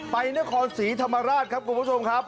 ไปนครศรีธรรมราชครับคุณผู้ชมครับ